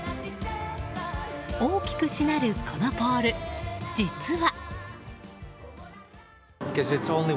大きくしなるこのポール、実は。